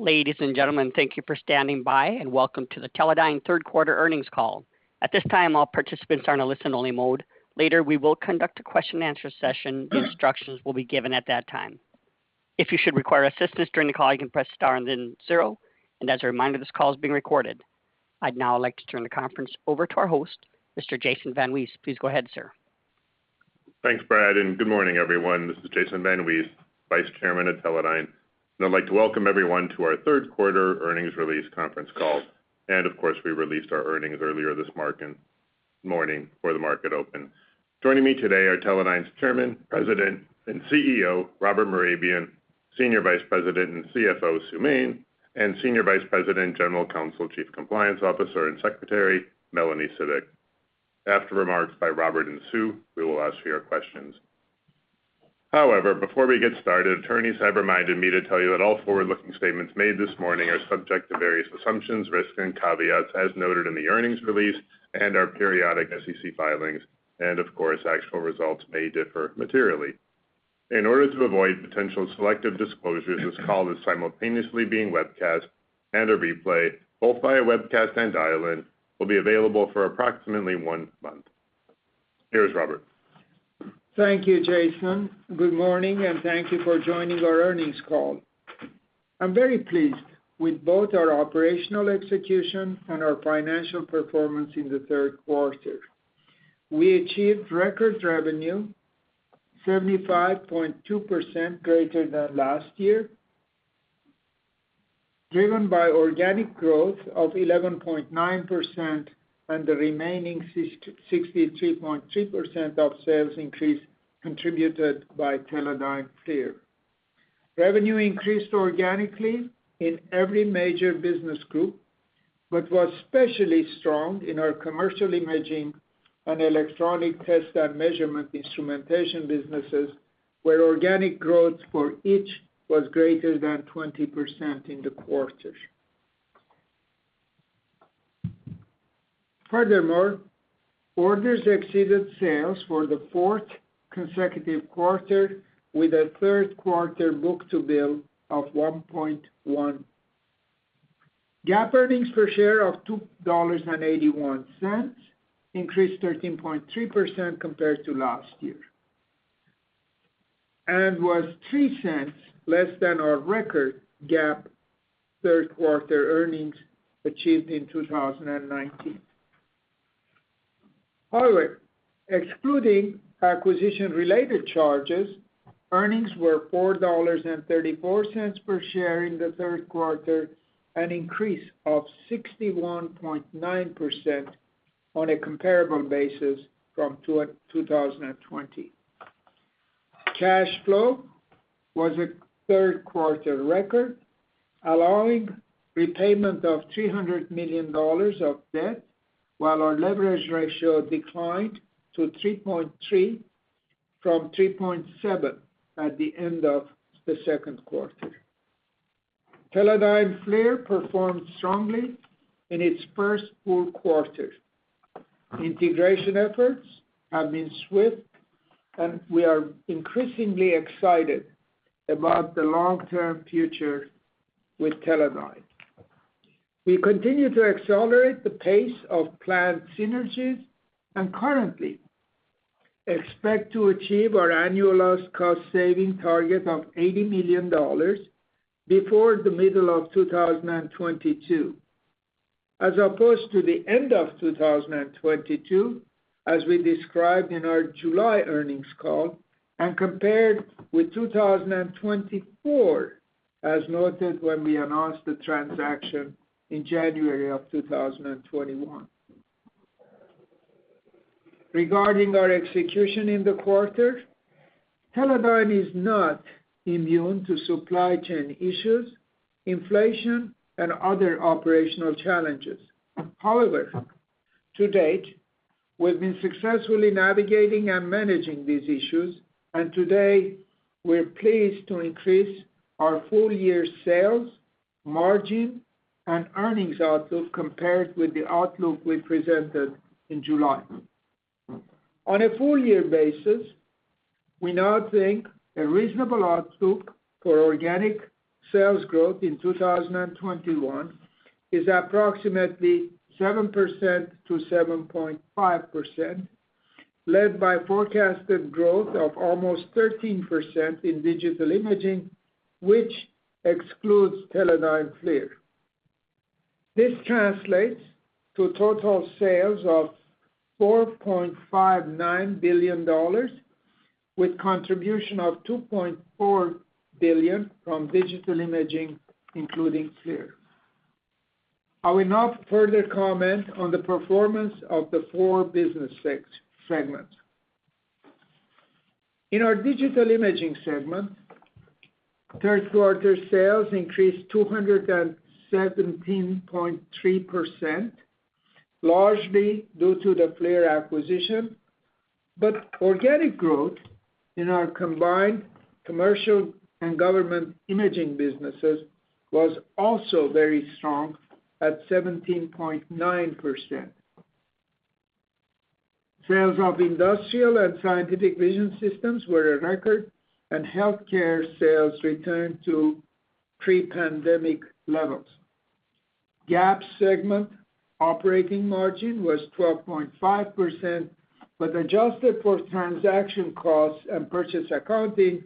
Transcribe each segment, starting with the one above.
Ladies and gentlemen, thank you for standing by, and welcome to the Teledyne third quarter earnings call. At this time, all participants are in a listen-only mode. Later, we will conduct a question-and-answer session. The instructions will be given at that time. If you should require assistance during the call, you can press star and then zero. As a reminder, this call is being recorded. I'd now like to turn the conference over to our host, Mr. Jason VanWees. Please go ahead, sir. Thanks, Brad, and good morning, everyone. This is Jason VanWees, Vice Chairman of Teledyne, and I'd like to welcome everyone to our third quarter earnings release conference call. Of course, we released our earnings earlier this morning before the market opened. Joining me today are Teledyne's Chairman, President, and CEO, Robert Mehrabian, Senior Vice President and CFO, Sue Main, and Senior Vice President, General Counsel, Chief Compliance Officer, and Secretary, Melanie Cibik. After remarks by Robert and Sue, we will ask for your questions. However, before we get started, attorneys have reminded me to tell you that all forward-looking statements made this morning are subject to various assumptions, risks, and caveats as noted in the earnings release and our periodic SEC filings. Of course, actual results may differ materially. In order to avoid potential selective disclosures, this call is simultaneously being webcast and a replay, both via webcast and dial-in, will be available for approximately one month. Here's Robert. Thank you, Jason. Good morning, and thank you for joining our earnings call. I'm very pleased with both our operational execution and our financial performance in the third quarter. We achieved record revenue 75.2% greater than last year, driven by organic growth of 11.9%, and the remaining 63.3% of sales increase contributed by Teledyne FLIR. Revenue increased organically in every major business group, but was especially strong in our commercial imaging and electronic test and measurement instrumentation businesses, where organic growth for each was greater than 20% in the quarter. Furthermore, orders exceeded sales for the fourth consecutive quarter with a third quarter book-to-bill of 1.1. GAAP earnings per share of $2.81 increased 13.3% compared to last year and was $0.03 less than our record GAAP third quarter earnings achieved in 2019. However, excluding acquisition-related charges, earnings were $4.34 per share in the third quarter, an increase of 61.9% on a comparable basis from 2020. Cash flow was a third-quarter record, allowing repayment of $300 million of debt while our leverage ratio declined to 3.3 from 3.7 at the end of the second quarter. Teledyne FLIR performed strongly in its first full quarter. Integration efforts have been swift, and we are increasingly excited about the long-term future with Teledyne. We continue to accelerate the pace of planned synergies and currently expect to achieve our annualized cost-saving target of $80 million before the middle of 2022, as opposed to the end of 2022, as we described in our July earnings call, and compared with 2024, as noted when we announced the transaction in January of 2021. Regarding our execution in the quarter, Teledyne is not immune to supply chain issues, inflation, and other operational challenges. However, to date, we've been successfully navigating and managing these issues, and today we're pleased to increase our full-year sales, margin, and earnings outlook compared with the outlook we presented in July. On a full year basis, we now think a reasonable outlook for organic sales growth in 2021 is approximately 7%-7.5%, led by forecasted growth of almost 13% in Digital Imaging, which excludes Teledyne FLIR. This translates to total sales of $4.59 billion, with contribution of $2.4 billion from Digital Imaging, including FLIR. I will now further comment on the performance of the four business segments. In our Digital Imaging segment, third quarter sales increased 217.3%, largely due to the FLIR acquisition. Organic growth in our combined commercial and government imaging businesses was also very strong at 17.9%. Sales of industrial and scientific vision systems were a record, and healthcare sales returned to pre-pandemic levels. GAAP segment operating margin was 12.5%, but adjusted for transaction costs and purchase accounting,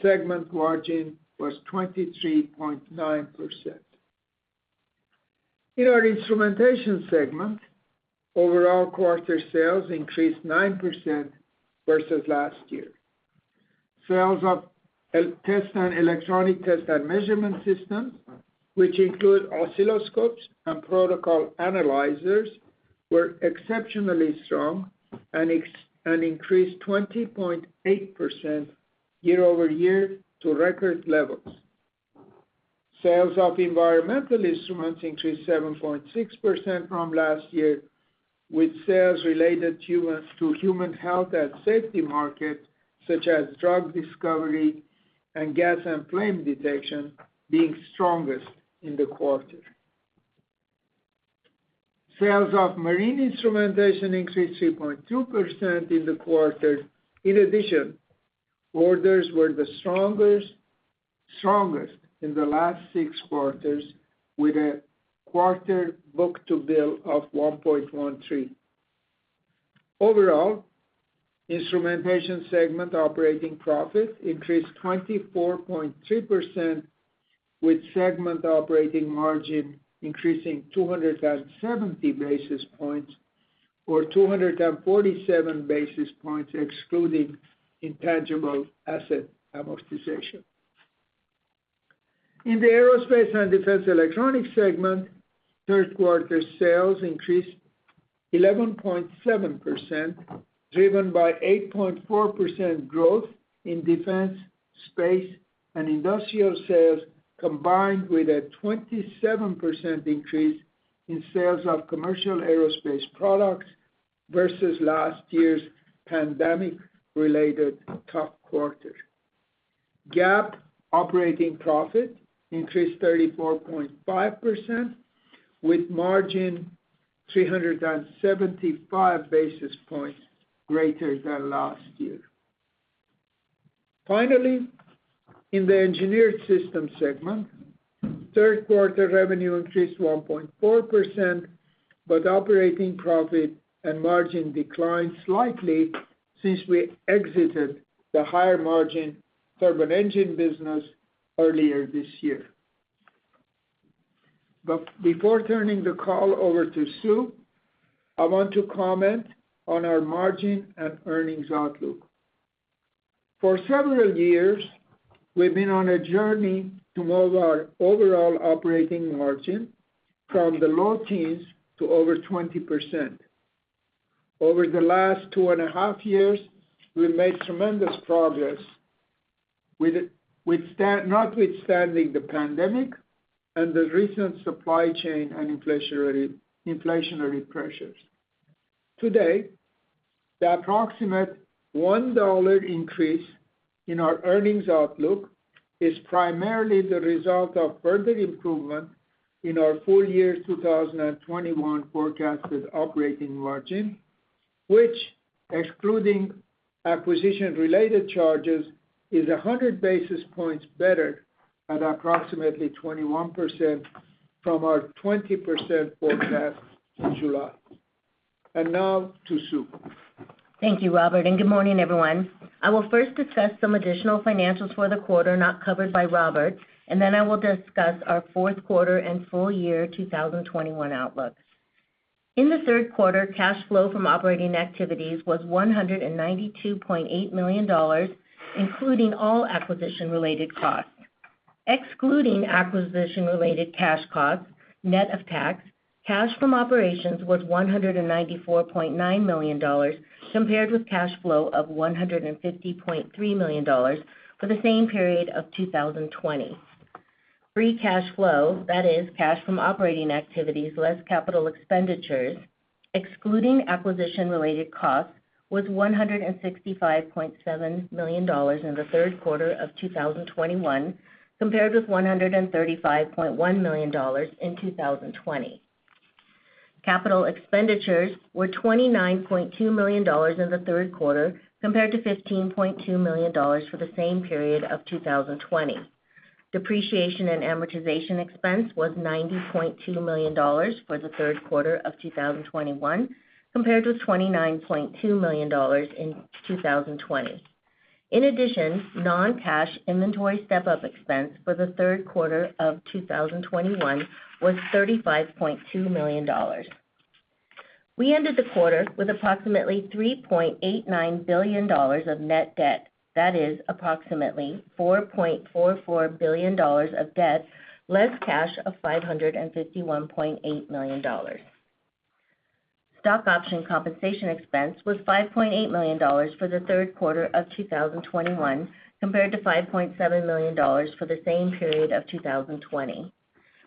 segment margin was 23.9%. In our Instrumentation segment, overall quarter sales increased 9% versus last year. Sales of electronic test and measurement systems, which include oscilloscopes and protocol analyzers, were exceptionally strong and increased 20.8% year-over-year to record levels. Sales of environmental instruments increased 7.6% from last year, with sales related to human health and safety markets, such as drug discovery and gas and flame detection, being strongest in the quarter. Sales of marine instrumentation increased 3.2% in the quarter. In addition, orders were the strongest in the last six quarters, with a quarter book-to-bill of 1.13. Overall, Instrumentation segment operating profit increased 24.2%, with segment operating margin increasing 270 basis points, or 247 basis points excluding intangible asset amortization. In the Aerospace and Defense Electronics segment, third quarter sales increased 11.7%, driven by 8.4% growth in defense, space, and industrial sales, combined with a 27% increase in sales of commercial aerospace products versus last year's pandemic-related tough quarter. GAAP operating profit increased 34.5%, with margin 375 basis points greater than last year. Finally, in the Engineered Systems segment, third quarter revenue increased 1.4%, but operating profit and margin declined slightly since we exited the higher margin turbine engine business earlier this year. Before turning the call over to Sue, I want to comment on our margin and earnings outlook. For several years, we've been on a journey to move our overall operating margin from the low teens to over 20%. Over the last 2.5 years, we've made tremendous progress with it notwithstanding the pandemic and the recent supply chain and inflationary pressures. Today, the approximate $1 increase in our earnings outlook is primarily the result of further improvement in our full year 2021 forecasted operating margin, which excluding acquisition-related charges, is 100 basis points better at approximately 21% from our 20% forecast in July. Now to Sue. Thank you, Robert, and good morning, everyone. I will first discuss some additional financials for the quarter not covered by Robert, and then I will discuss our fourth quarter and full year 2021 outlooks. In the third quarter, cash flow from operating activities was $192.8 million, including all acquisition-related costs. Excluding acquisition-related cash costs, net of tax, cash from operations was $194.9 million, compared with cash flow of $150.3 million for the same period of 2020. Free cash flow, that is cash from operating activities, less capital expenditures, excluding acquisition-related costs, was $165.7 million in the third quarter of 2021, compared with $135.1 million in 2020. Capital expenditures were $29.2 million in the third quarter, compared to $15.2 million for the same period of 2020. Depreciation and amortization expense was $90.2 million for the third quarter of 2021, compared with $29.2 million in 2020. In addition, non-cash inventory step-up expense for the third quarter of 2021 was $35.2 million. We ended the quarter with approximately $3.89 billion of net debt. That is approximately $4.44 billion of debt, less cash of $551.8 million. Stock option compensation expense was $5.8 million for the third quarter of 2021, compared to million for the same period of 2020.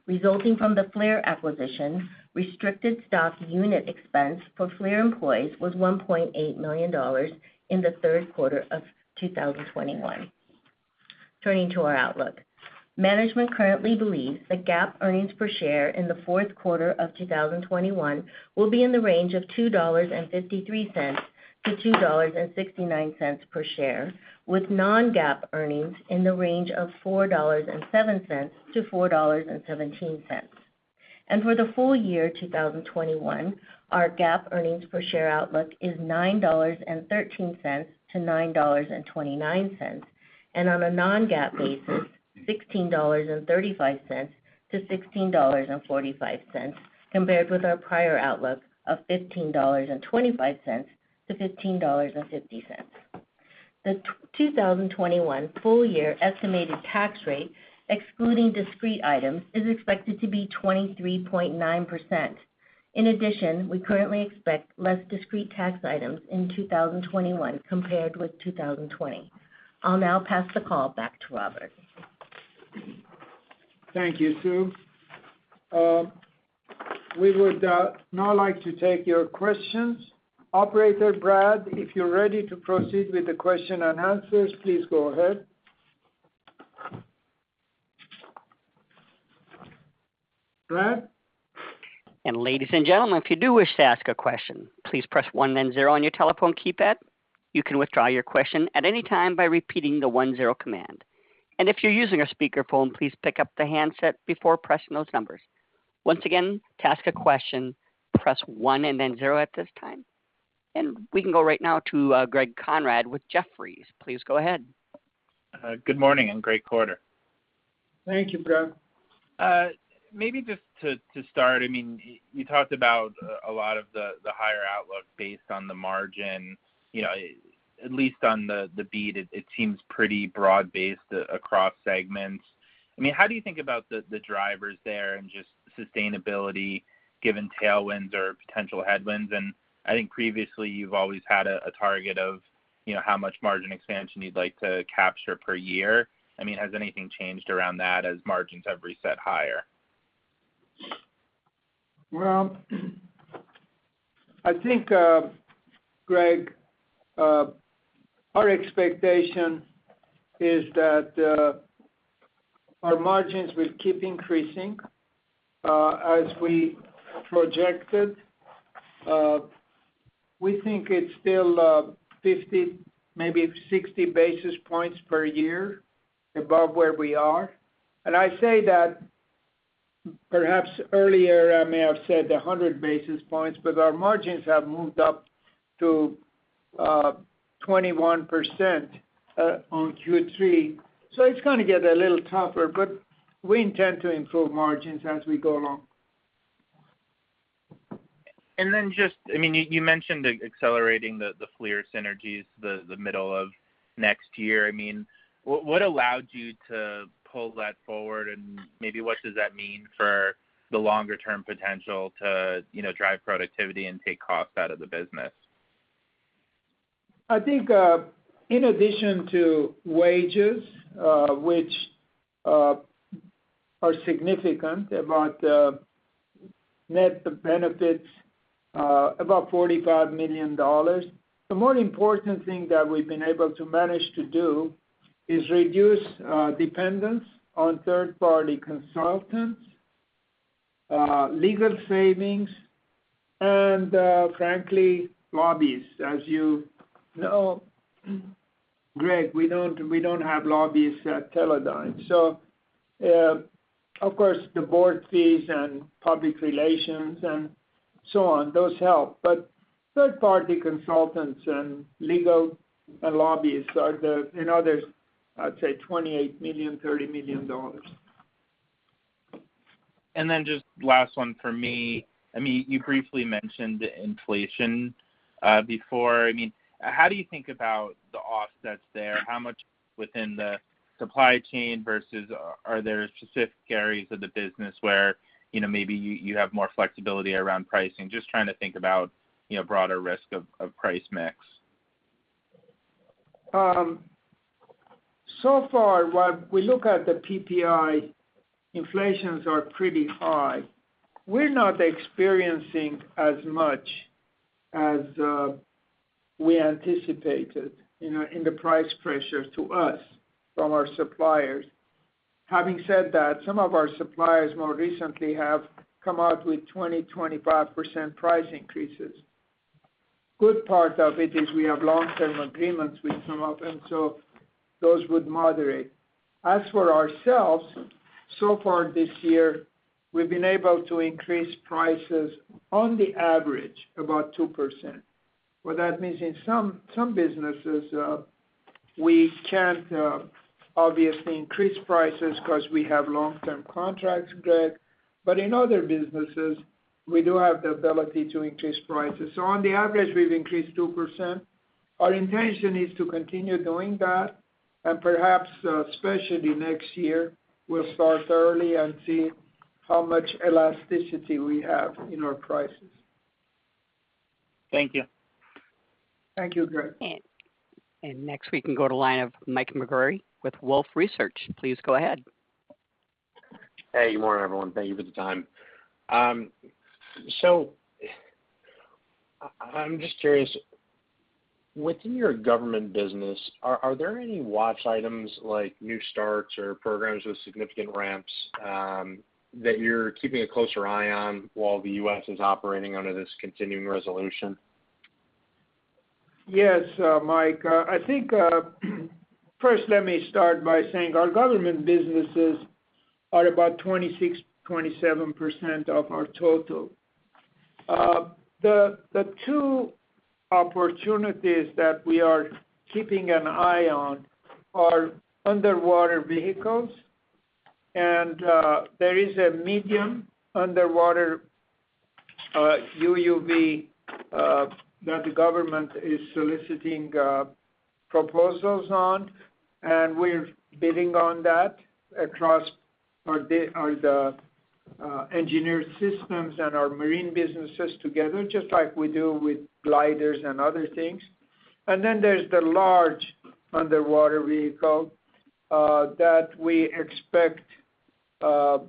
Resulting from the FLIR acquisition, restricted stock unit expense for FLIR employees was $1.8 million in the third quarter of 2021. Turning to our outlook. Management currently believes that GAAP earnings per share in the fourth quarter of 2021 will be in the range of $2.53-$2.69 per share, with non-GAAP earnings in the range of $4.07-$4.17. For the full year 2021, our GAAP earnings per share outlook is $9.13-$9.29. On a non-GAAP basis, $16.35-$16.45, compared with our prior outlook of $15.25-$15.50. The 2021 full year estimated tax rate, excluding discrete items, is expected to be 23.9%. In addition, we currently expect less discrete tax items in 2021 compared with 2020. I'll now pass the call back to Robert. Thank you, Sue. We would now like to take your questions. Operator Brad, if you're ready to proceed with the question and answers, please go ahead. Brad? Ladies and gentlemen, if you do wish to ask a question, please press one then zero on your telephone keypad. You can withdraw your question at any time by repeating the one-zero command. If you're using a speakerphone, please pick up the handset before pressing those numbers. Once again, to ask a question, press one and then zero at this time. We can go right now to Greg Konrad with Jefferies. Please go ahead. Good morning and great quarter. Thank you, Greg. Maybe just to start, I mean, you talked about a lot of the higher outlook based on the margin. You know, at least on the beat, it seems pretty broad-based across segments. I mean, how do you think about the drivers there and just sustainability given tailwinds or potential headwinds? I think previously you've always had a target of, you know, how much margin expansion you'd like to capture per year. I mean, has anything changed around that as margins have reset higher? Well, I think, Greg, our expectation is that our margins will keep increasing as we projected. We think it's still 50, maybe 60 basis points per year above where we are. I say that perhaps earlier, I may have said 100 basis points, but our margins have moved up to 21% on Q3. It's gonna get a little tougher, but we intend to improve margins as we go along. Just, I mean, you mentioned accelerating the FLIR synergies in the middle of next year. I mean, what allowed you to pull that forward? Maybe what does that mean for the longer term potential to, you know, drive productivity and take costs out of the business? I think, in addition to wages, which are significant about net benefits, about $45 million, the more important thing that we've been able to manage to do is reduce dependence on third-party consultants, legal savings and, frankly, lobbyists. As you know, Greg, we don't have lobbyists at Teledyne. So, of course, the board fees and public relations and so on, those help. But third-party consultants and legal lobbyists are the, you know, there's, I'd say $28 million, $30 million. Then just last one for me. I mean, you briefly mentioned the inflation before. I mean, how do you think about the offsets there? How much within the supply chain versus are there specific areas of the business where, you know, maybe you have more flexibility around pricing? Just trying to think about, you know, broader risk of price mix. So far, when we look at the PPI inflation, it is pretty high. We're not experiencing as much as we anticipated in the price pressures to us from our suppliers. Having said that, some of our suppliers more recently have come out with 20%-25% price increases. Good part of it is we have long-term agreements with some of them, so those would moderate. As for ourselves, so far this year, we've been able to increase prices on average about 2%. What that means in some businesses, we can't obviously increase prices 'cause we have long-term contracts, Greg. In other businesses, we do have the ability to increase prices. On average, we've increased 2%. Our intention is to continue doing that. Perhaps, especially next year, we'll start early and see how much elasticity we have in our prices. Thank you. Thank you, Greg. Next, we can go to line of Mike Maugeri with Wolfe Research. Please go ahead. Hey, good morning, everyone. Thank you for the time. I'm just curious, within your government business, are there any watch items like new starts or programs with significant ramps, that you're keeping a closer eye on while the U.S. is operating under this continuing resolution? Yes, Mike. I think, first, let me start by saying our government businesses are about 26%-27% of our total. The two opportunities that we are keeping an eye on are underwater vehicles, and there is a medium underwater UUV that the government is soliciting proposals on, and we're bidding on that across the Engineered Systems and our marine businesses together, just like we do with gliders and other things. There's the large underwater vehicle that we expect to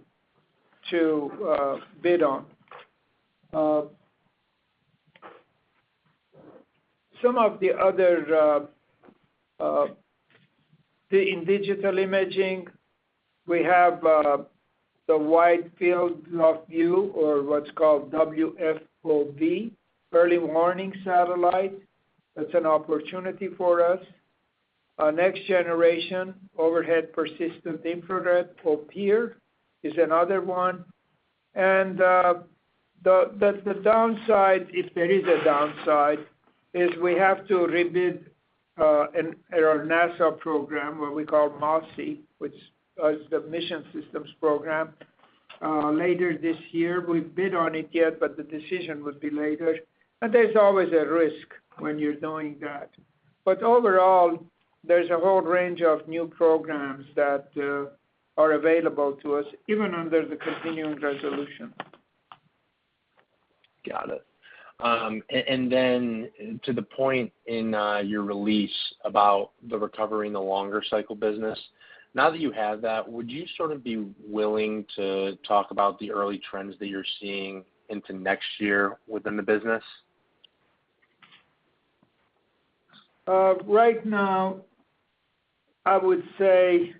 bid on. In Digital Imaging, we have the wide field of view or what's called WFOV early warning satellite. That's an opportunity for us. Our next generation Overhead Persistent Infrared OPIR is another one. The downside, if there is a downside, is we have to rebid our NASA program, what we call MOSSI, which is the Mission Systems program, later this year. We haven't bid on it yet, but the decision would be later. There's always a risk when you're doing that. Overall, there's a whole range of new programs that are available to us, even under the continuing resolution. Got it. To the point in your release about the recovery in the longer cycle business. Now that you have that, would you sort of be willing to talk about the early trends that you're seeing into next year within the business? Right now, I would say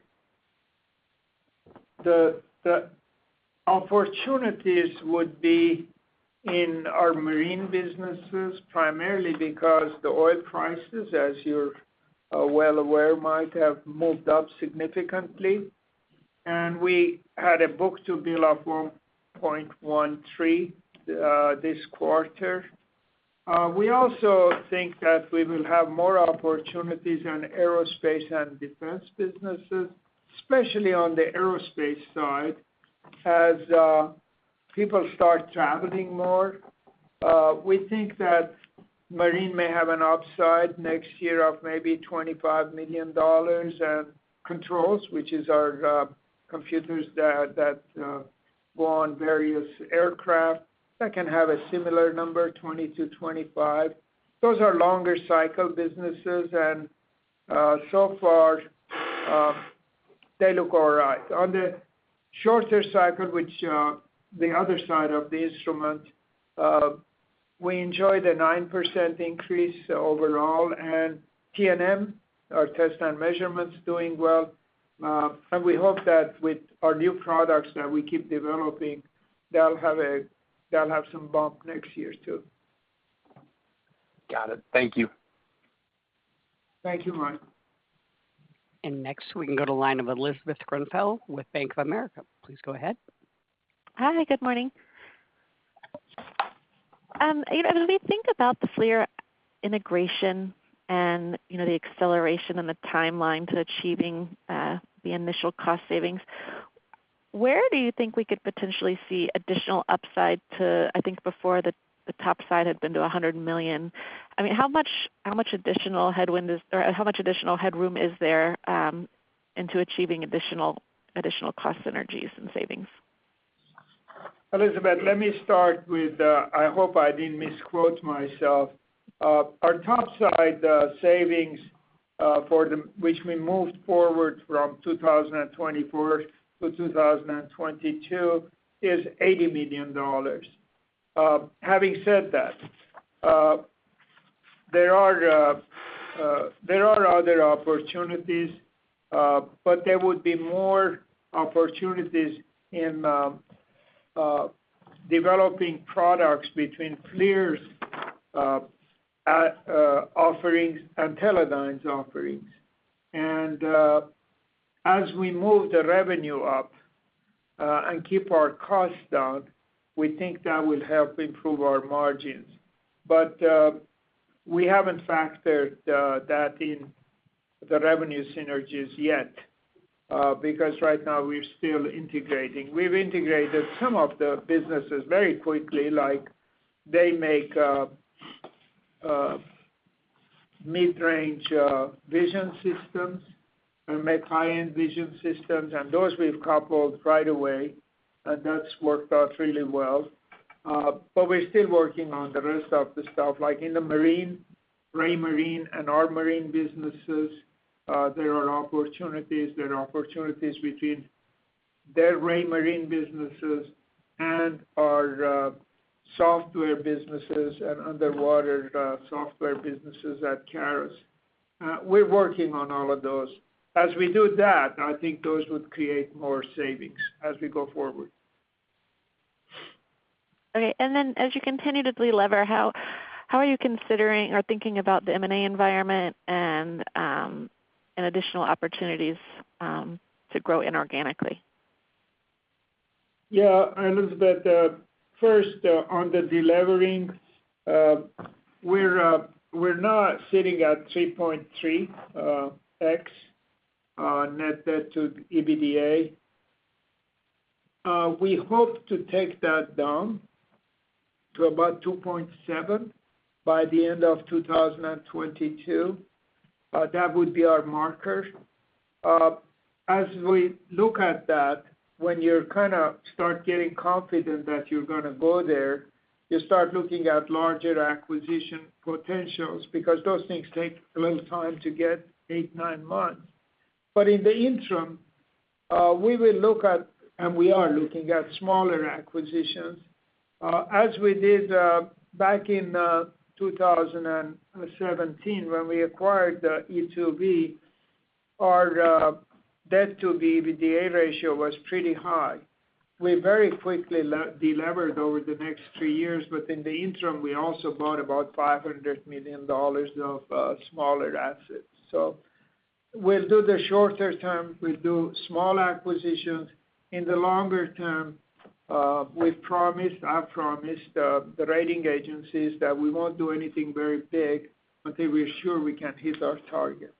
the opportunities would be in our marine businesses, primarily because the oil prices, as you're well aware, might have moved up significantly. We had a book-to-bill of 1.13 this quarter. We also think that we will have more opportunities on Aerospace and Defense businesses, especially on the aerospace side as people start traveling more. We think that marine may have an upside next year of maybe $25 million, and controls, which is our computers that go on various aircraft, that can have a similar number, $20 million-$25 million. Those are longer cycle businesses, and so far, they look all right. On the shorter cycle, which the other side of the Instrumentation, we enjoyed a 9% increase overall. T&M, our Test and Measurement, doing well. We hope that with our new products that we keep developing, they'll have some bump next year, too. Got it. Thank you. Thank you, Mike. Next, we can go to line of Elizabeth Grenfell with Bank of America. Please go ahead. Hi. Good morning. You know, as we think about the FLIR integration and, you know, the acceleration and the timeline to achieving the initial cost savings, where do you think we could potentially see additional upside? I think before the upside had been to $100 million. I mean, how much additional headroom is there into achieving additional cost synergies and savings? Elizabeth, let me start with, I hope I didn't misquote myself. Our top side savings, which we moved forward from 2024 to 2022, is $80 million. Having said that, there are other opportunities, but there would be more opportunities in developing products between FLIR's offerings and Teledyne's offerings. As we move the revenue up and keep our costs down, we think that will help improve our margins. We haven't factored that in the revenue synergies yet because right now we're still integrating. We've integrated some of the businesses very quickly, like they make mid-range vision systems. We make high-end vision systems, and those we've coupled right away, and that's worked out really well. We're still working on the rest of the stuff. Like in the marine, Raymarine and our marine businesses, there are opportunities. There are opportunities between their Raymarine businesses and our software businesses and underwater software businesses at CARIS. We're working on all of those. As we do that, I think those would create more savings as we go forward. Okay, as you continue to delever, how are you considering or thinking about the M&A environment and additional opportunities to grow inorganically? Yeah, Elizabeth, first, on the deleveraging, we're not sitting at 3.3x net debt to EBITDA. We hope to take that down to about 2.7x by the end of 2022. That would be our marker. As we look at that, when you kinda start getting confident that you're gonna go there, you start looking at larger acquisition potentials because those things take a little time to get, eight to nine months. In the interim, we will look at, and we are looking at smaller acquisitions. As we did back in 2017 when we acquired e2v, our debt to the EBITDA ratio was pretty high. We very quickly delevered over the next three years, but in the interim, we also bought about $500 million of smaller assets. We'll do the shorter term, we'll do small acquisitions. In the longer term, I've promised the rating agencies that we won't do anything very big, but they were sure we can hit our targets.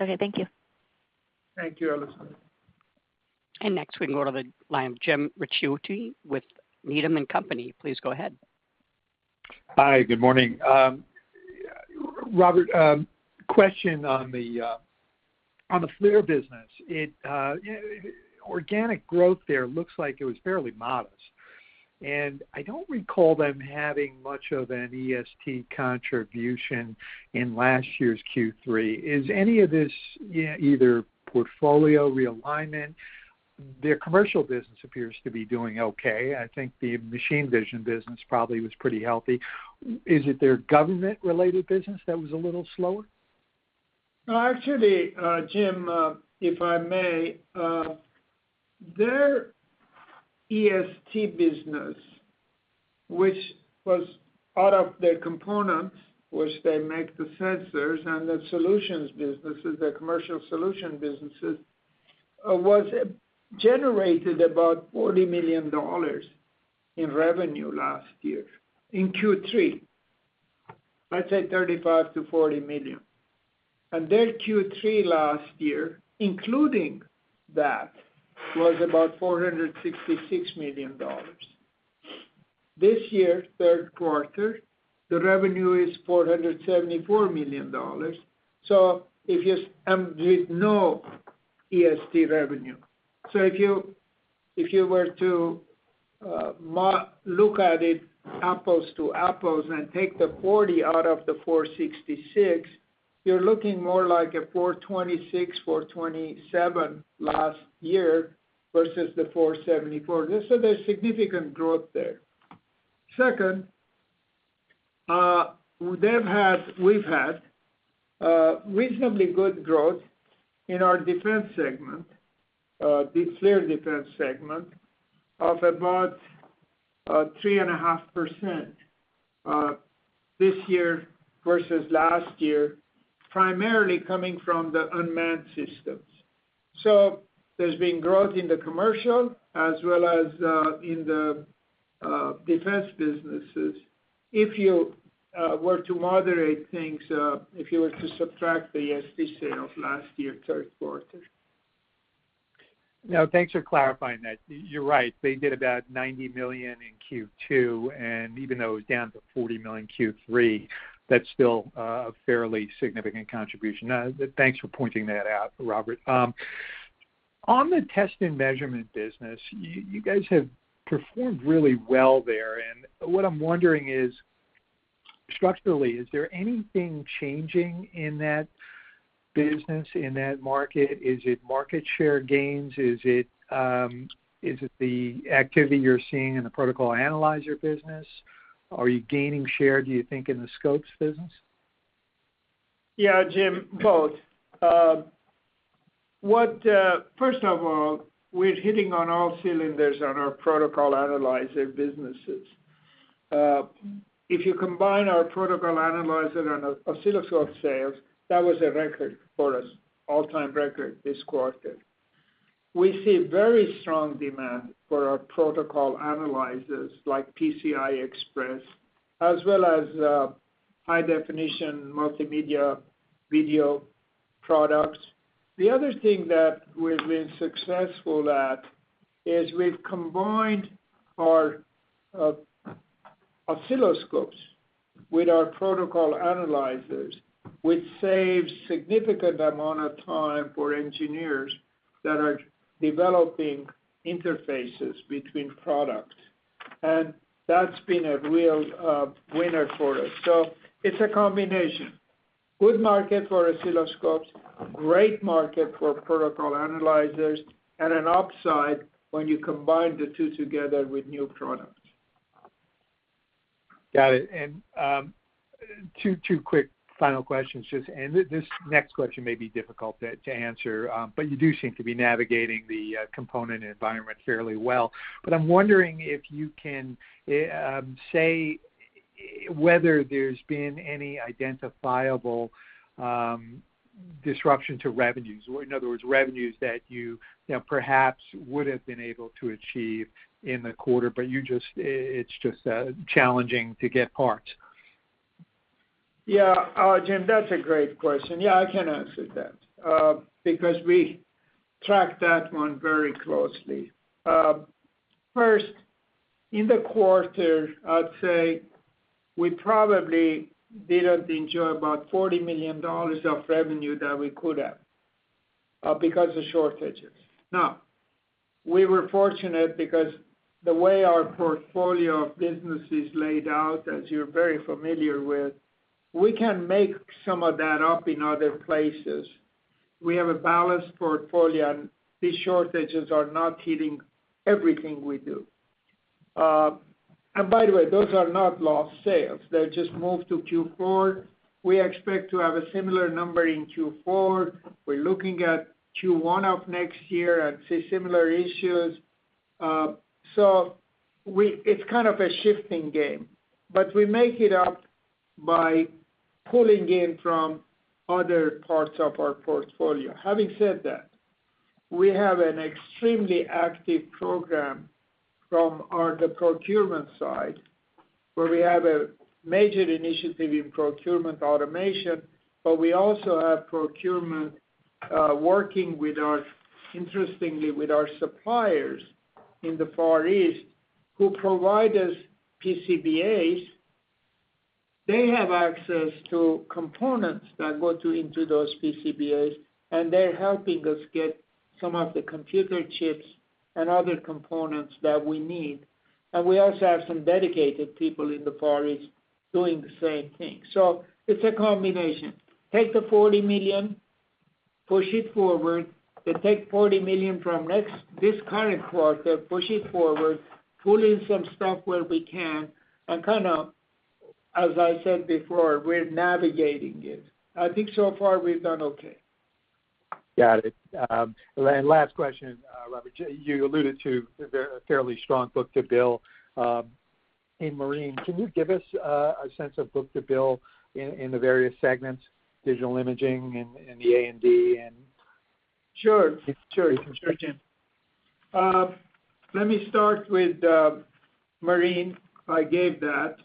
Okay, thank you. Thank you, Elizabeth. Next, we can go to the line of Jim Ricchiuti with Needham & Company. Please go ahead. Hi, good morning. Robert, question on the FLIR business. Its organic growth there looks like it was fairly modest. I don't recall them having much of an EST contribution in last year's Q3. Is any of this either portfolio realignment? Their commercial business appears to be doing okay. I think the machine vision business probably was pretty healthy. Is it their government-related business that was a little slower? Actually, Jim, if I may, their EST business, which was out of their components, which they make the sensors and the solutions businesses, the commercial solution businesses, was generated about $40 million in revenue last year in Q3. Let's say $35 million-$40 million. Their Q3 last year, including that, was about $466 million. This year, third quarter, the revenue is $474 million. If you were to look at it apples to apples and take the $40 million out of the $466 million, you're looking more like a $426 million, $427 million last year versus the $474 million. There's a significant growth there. Second, we've had reasonably good growth in our defense segment, the FLIR defense segment, of about 3.5% this year versus last year, primarily coming from the unmanned systems. There's been growth in the commercial as well as in the defense businesses. If you were to subtract the EST sales last year, third quarter. No, thanks for clarifying that. You're right. They did about $90 million in Q2, and even though it was down to $40 million Q3, that's still a fairly significant contribution. Thanks for pointing that out, Robert. On the test and measurement business, you guys have performed really well there. What I'm wondering is, structurally, is there anything changing in that business, in that market? Is it market share gains? Is it the activity you're seeing in the protocol analyzer business? Are you gaining share, do you think, in the scopes business? Yeah, Jim, both. What, first of all, we're hitting on all cylinders on our protocol analyzer businesses. If you combine our protocol analyzer and our oscilloscope sales, that was a record for us, all-time record this quarter. We see very strong demand for our protocol analyzers like PCI Express, as well as high-definition multimedia video products. The other thing that we've been successful at is we've combined our oscilloscopes with our protocol analyzers, which saves significant amount of time for engineers that are developing interfaces between products. That's been a real winner for us. It's a combination. Good market for oscilloscopes, great market for protocol analyzers, and an upside when you combine the two together with new products. Got it. Two quick final questions just. This next question may be difficult to answer, but you do seem to be navigating the component environment fairly well. I'm wondering if you can say whether there's been any identifiable disruption to revenues or, in other words, revenues that you know perhaps would have been able to achieve in the quarter, but it's just challenging to get parts. Yeah. Jim, that's a great question. Yeah, I can answer that, because we track that one very closely. First, in the quarter, I'd say we probably didn't enjoy about $40 million of revenue that we could have, because of shortages. Now, we were fortunate because the way our portfolio of business is laid out, as you're very familiar with, we can make some of that up in other places. We have a balanced portfolio, and these shortages are not hitting everything we do. By the way, those are not lost sales. They're just moved to Q4. We expect to have a similar number in Q4. We're looking at Q1 of next year and see similar issues. It's kind of a shifting game, but we make it up by pulling in from other parts of our portfolio. Having said that, we have an extremely active program from the procurement side, where we have a major initiative in procurement automation, but we also have procurement working with our, interestingly, with our suppliers in the Far East, who provide us PCBAs. They have access to components that go into those PCBAs, and they're helping us get some of the computer chips and other components that we need. We also have some dedicated people in the Far East doing the same thing. It's a combination. Take the $40 million, push it forward, then take $40 million from this current quarter, push it forward, pull in some stuff where we can, and kind of, as I said before, we're navigating it. I think so far we've done okay. Got it. Last question, Robert. You alluded to a fairly strong book-to-bill in Marine. Can you give us a sense of book-to-bill in the various segments, visual imaging and the AD&E and- Sure. Sure. You can, sure, Jim. Let me start with Marine. I gave that.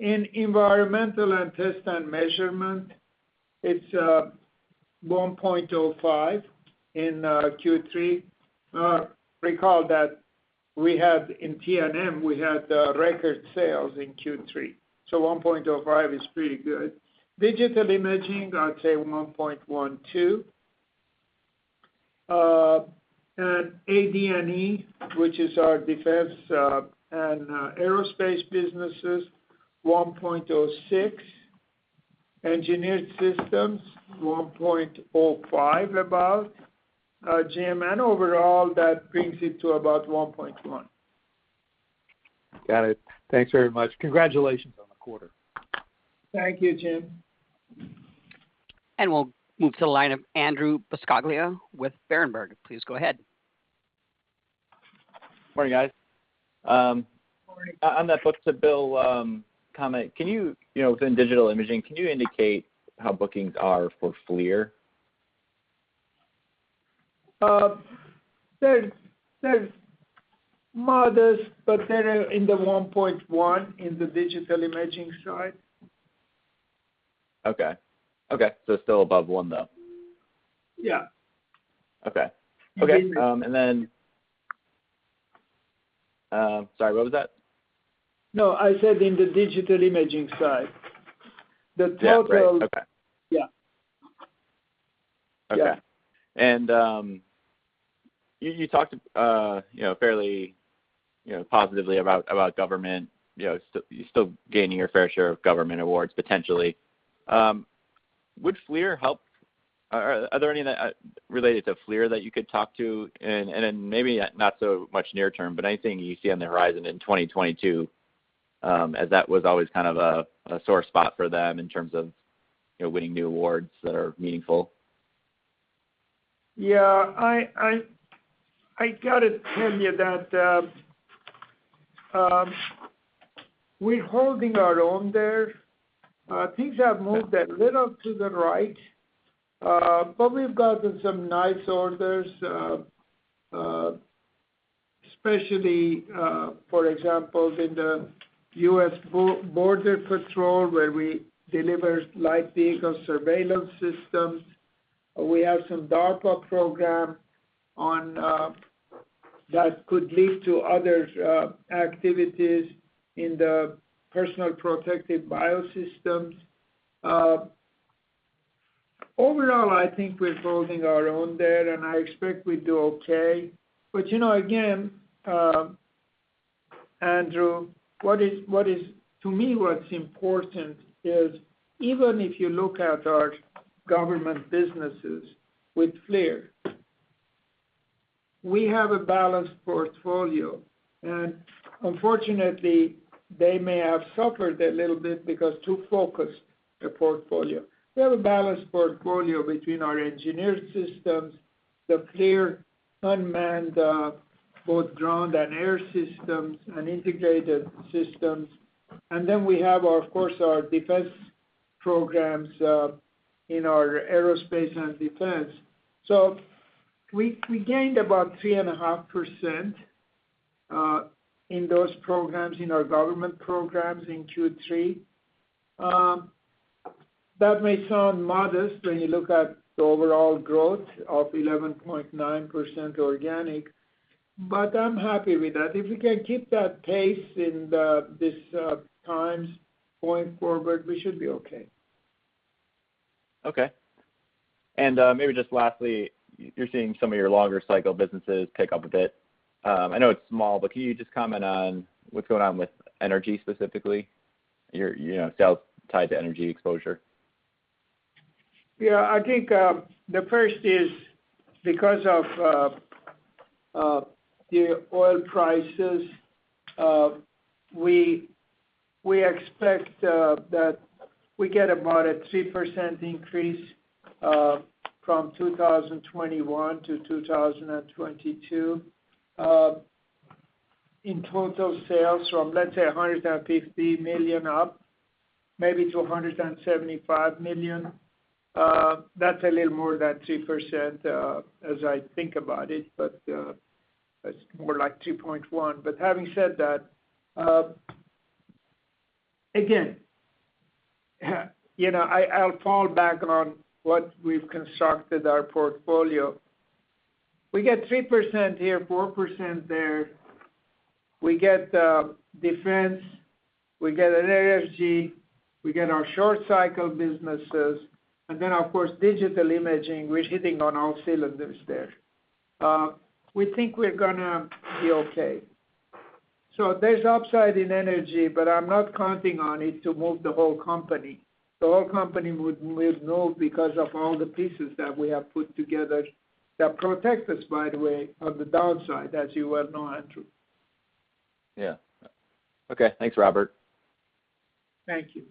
In environmental and test and measurement, it's 1.05 in Q3. Recall that we had in T&M record sales in Q3, so 1.05 is pretty good. Digital imaging, I'd say 1.12. And AD&E, which is our defense and aerospace businesses, 1.06. Engineered systems, 1.05 about. Jim, and overall, that brings it to about 1.1. Got it. Thanks very much. Congratulations on the quarter. Thank you, Jim. We'll move to the line of Andrew Buscaglia with Berenberg. Please go ahead. Morning, guys. Morning. On that book-to-bill comment, can you know, within Digital Imaging, can you indicate how bookings are for FLIR? There's modest, but they're in the 1.1 in the Digital Imaging side. Okay. Still above 1, though? Yeah. Okay. Okay. In- Sorry, what was that? No, I said in the Digital Imaging side. Yeah. Great. The total- Okay. Yeah. Okay. Yeah. You talked you know fairly you know positively about government. You're still gaining your fair share of government awards, potentially. Would FLIR help? Are there any that related to FLIR that you could talk to? Then maybe not so much near term, but anything you see on the horizon in 2022, as that was always kind of a sore spot for them in terms of you know winning new awards that are meaningful. Yeah. I gotta tell you that we're holding our own there. Things have moved a little to the right, but we've gotten some nice orders, especially, for example, in the U.S. Border Patrol, where we deliver light vehicle surveillance systems. We have some DARPA program on that could lead to other activities in the personal protective biosystems. Overall, I think we're holding our own there, and I expect we do okay. You know, again, Andrew, to me what's important is even if you look at our government businesses with FLIR, we have a balanced portfolio. Unfortunately, they may have suffered a little bit because too focused a portfolio. We have a balanced portfolio between our Engineered Systems, the FLIR unmanned, both ground and air systems and integrated systems. We have our, of course, our defense programs in our Aerospace and Defense. We gained about 3.5% in those programs, in our government programs in Q3. That may sound modest when you look at the overall growth of 11.9% organic, but I'm happy with that. If we can keep that pace in these times going forward, we should be okay. Okay. Maybe just lastly, you're seeing some of your longer cycle businesses pick up a bit. I know it's small, but can you just comment on what's going on with energy specifically, your, you know, sales tied to energy exposure. Yeah. I think the first is because of the oil prices. We expect that we get about a 3% increase from 2021 to 2022 in total sales from, let's say, $150 million up maybe to $175 million. That's a little more than 3%, as I think about it, but that's more like 2.1%. Having said that, again, you know, I'll fall back on what we've constructed our portfolio. We get 3% here, 4% there. We get defense, we get energy, we get our short cycle businesses, and then of course, Digital Imaging, we're hitting on all cylinders there. We think we're gonna be okay. There's upside in energy, but I'm not counting on it to move the whole company. The whole company would live now because of all the pieces that we have put together that protect us, by the way, on the downside, as you well know, Andrew. Yeah. Okay. Thanks, Robert. Thank you.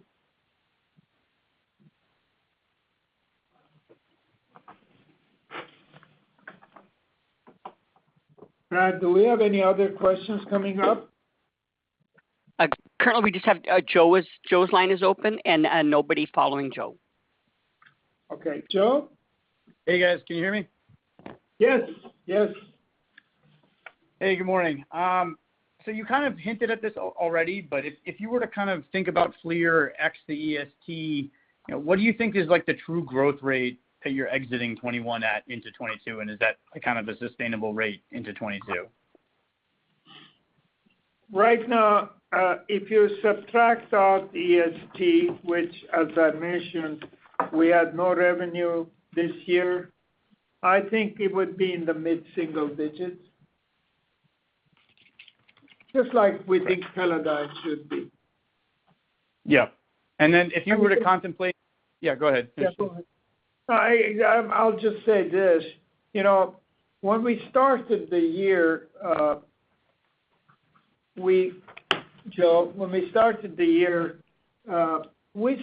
Brad, do we have any other questions coming up? Currently, we just have Joe's line is open and nobody following Joe. Okay. Joe? Hey, guys. Can you hear me? Yes. Yes. Hey, good morning. You kind of hinted at this already, but if you were to kind of think about FLIR ex the EST, you know, what do you think is like the true growth rate that you're exiting 2021 at into 2022, and is that kind of a sustainable rate into 2022? Right now, if you subtract out EST, which as I mentioned, we had no revenue this year, I think it would be in the mid single digits. Just like we think Teledyne should be. Yeah. If you were to contemplate. Yeah, go ahead. I'll just say this, you know, when we started the year, Joe, we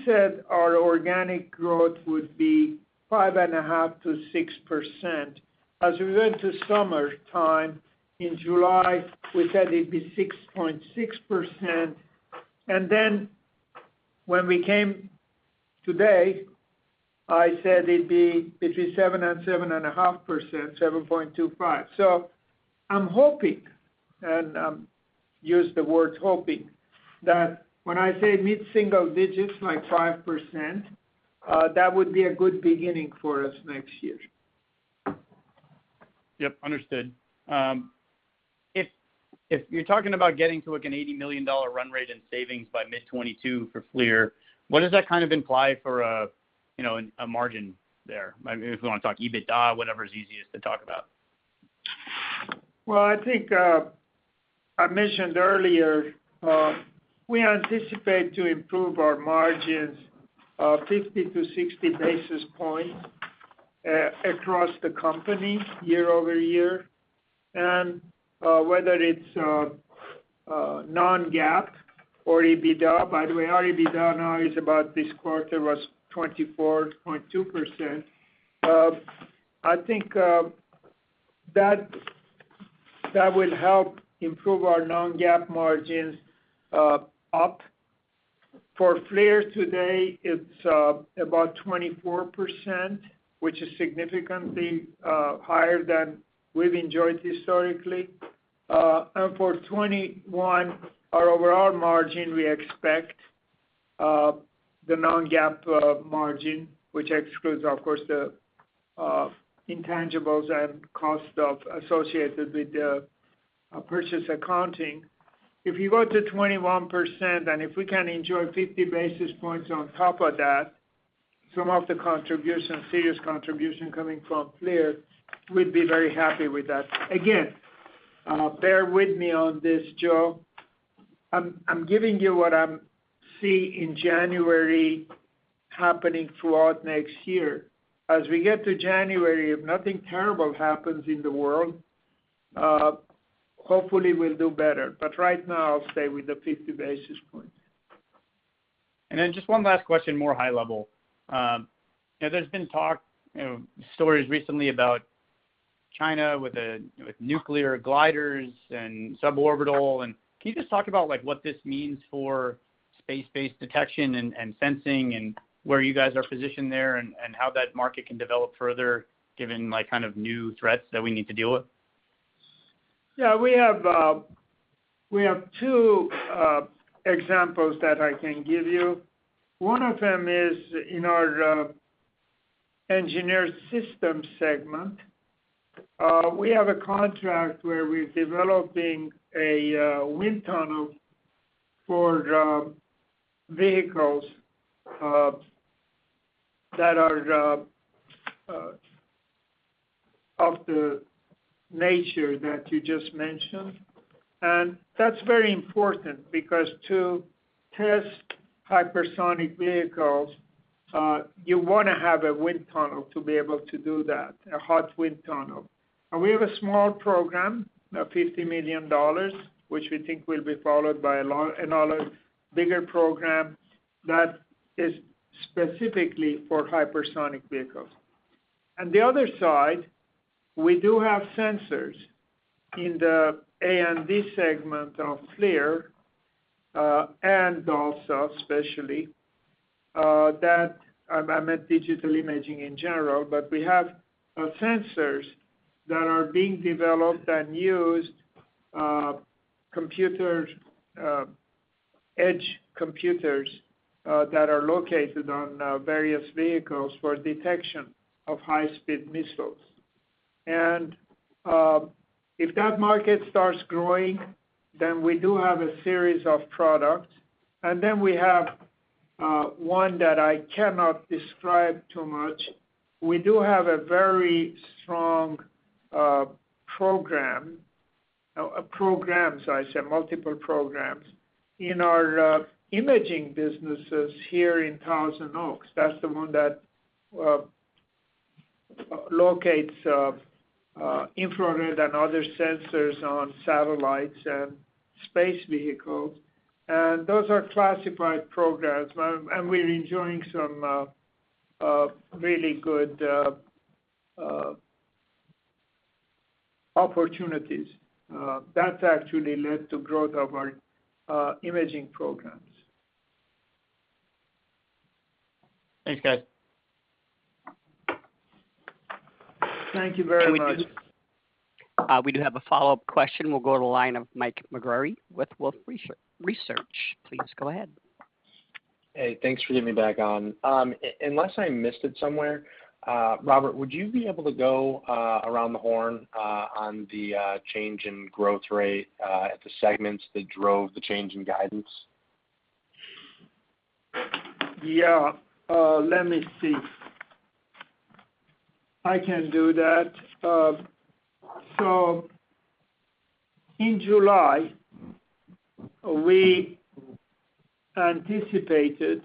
said our organic growth would be 5.5%-6%. As we went to summertime in July, we said it'd be 6.6%. Then when we came today, I said it'd be between 7%-7.5%, 7.25%. I'm hoping, and I'm using the word hoping, that when I say mid-single digits, like 5%, that would be a good beginning for us next year. Yep, understood. If you're talking about getting to, like, an $80 million run rate in savings by mid-2022 for FLIR, what does that kind of imply for, you know, a margin there? I mean, if we wanna talk EBITDA, whatever's easiest to talk about. I think I mentioned earlier, we anticipate to improve our margins 50-60 basis points across the company year-over-year. Whether it's non-GAAP or EBITDA, by the way, our EBITDA this quarter was about 24.2%. I think that will help improve our non-GAAP margins up. For FLIR today, it's about 24%, which is significantly higher than we've enjoyed historically. For 2021, our overall margin, we expect the non-GAAP margin, which excludes, of course, the intangibles and costs associated with the purchase accounting. If you go to 21%, and if we can enjoy 50 basis points on top of that, some serious contribution coming from FLIR, we'd be very happy with that. Again, bear with me on this, Joe. I'm giving you what I'm seeing January happening throughout next year. As we get to January, if nothing terrible happens in the world, hopefully we'll do better. Right now, I'll stay with the 50 basis points. Just one last question, more high level. You know, there's been talk, you know, stories recently about China with nuclear gliders and suborbital. Can you just talk about like what this means for space-based detection and sensing and where you guys are positioned there and how that market can develop further given, like, kind of new threats that we need to deal with? Yeah. We have two examples that I can give you. One of them is in our Engineered Systems segment. We have a contract where we're developing a wind tunnel for vehicles that are of the nature that you just mentioned. That's very important because to test hypersonic vehicles, you wanna have a wind tunnel to be able to do that, a hot wind tunnel. We have a small program of $50 million, which we think will be followed by another bigger program that is specifically for hypersonic vehicles. On the other side, we do have sensors in the A&D segment of FLIR, and also especially, that I meant Digital Imaging in general. We have sensors that are being developed and used, computers, edge computers, that are located on various vehicles for detection of high-speed missiles. If that market starts growing, then we do have a series of products. We have one that I cannot describe too much. We do have a very strong multiple programs in our imaging businesses here in Thousand Oaks. That's the one that locates infrared and other sensors on satellites and space vehicles. Those are classified programs. We're enjoying some really good opportunities that actually led to growth of our imaging programs. Thanks, guys. Thank you very much. We do have a follow-up question. We'll go to the line of Mike Maugeri with Wolfe Research. Please go ahead. Hey, thanks for getting me back on. Unless I missed it somewhere, Robert, would you be able to go around the horn on the change in growth rate at the segments that drove the change in guidance? Yeah. Let me see. I can do that. In July, we anticipated that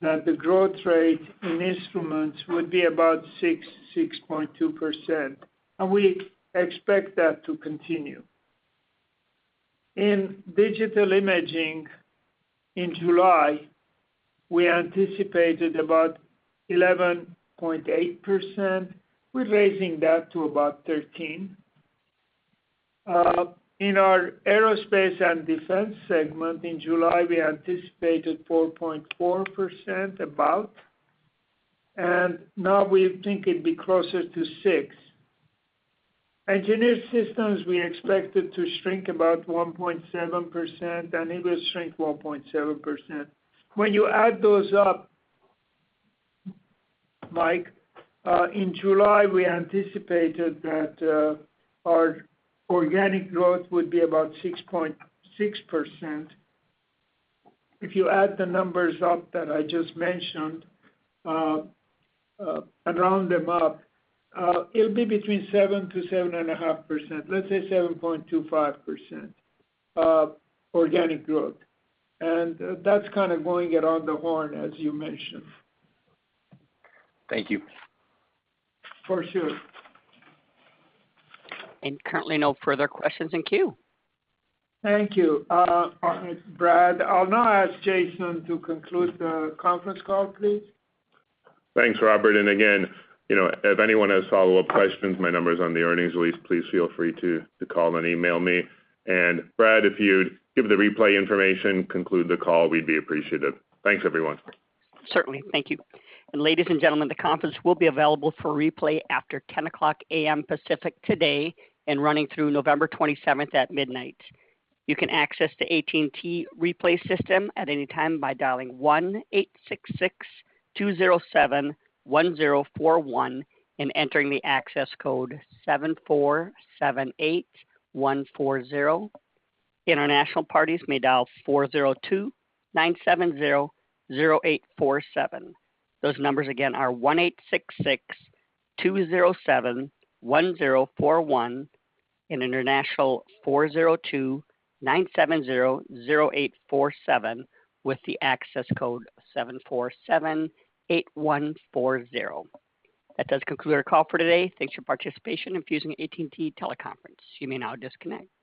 the growth rate in Instrumentation would be about 6.2%, and we expect that to continue. In Digital Imaging in July, we anticipated about 11.8%. We're raising that to about 13%. In our Aerospace and Defense segment in July, we anticipated about 4.4%, and now we think it'd be closer to 6%. Engineered Systems, we expect it to shrink about 1.7%, and it will shrink 1.7%. When you add those up, Mike, in July, we anticipated that our organic growth would be about 6.6%. If you add the numbers up that I just mentioned, and round them up, it'll be between 7%-7.5%, let's say 7.25%, organic growth. That's kinda going it on the horn as you mentioned. Thank you. For sure. Currently no further questions in queue. Thank you, Brad. I'll now ask Jason to conclude the conference call, please. Thanks, Robert. Again, you know, if anyone has follow-up questions, my number's on the earnings release. Please feel free to call and email me. Brad, if you'd give the replay information, conclude the call, we'd be appreciative. Thanks, everyone. Certainly. Thank you. Ladies and gentlemen, the conference will be available for replay after 10:00 A.M. Pacific today and running through November 27th at midnight. You can access the AT&T replay system at any time by dialing 1-866-207-1041 and entering the access code 7478140. International parties may dial 402-970-0847. Those numbers again are 1-866-207-1041 and international, 402-970-0847 with the access code 7478140. That does conclude our call for today. Thanks for participation in this AT&T Teleconference. You may now disconnect.